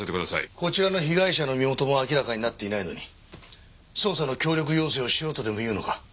こちらの被害者の身元も明らかになっていないのに捜査の協力要請をしろとでもいうのか？